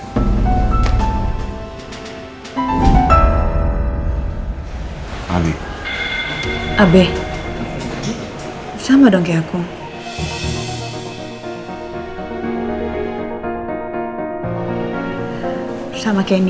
sama hablando rup out